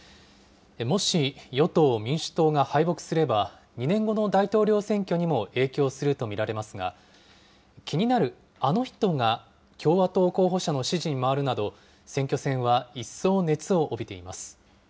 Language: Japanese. もし与党・民主党が敗北すれば、２年後の大統領選挙にも影響すると見られますが、気になるあの人が共和党候補者の支持に回るなど、選挙戦は一層熱を帯びています。